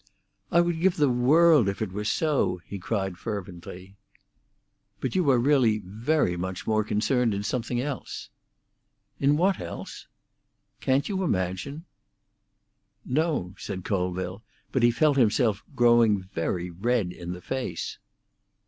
"I would give the world if it were so!" he cried fervently. "But you are really very much more concerned in something else." "In what else?" "Can't you imagine?" "No," said Colville; but he felt himself growing very red in the face.